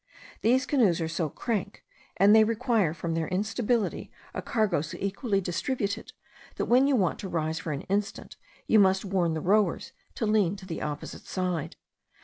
These canoes are so crank, and they require, from their instability, a cargo so equally distributed, that when you want to rise for an instant, you must warn the rowers to lean to the opposite side.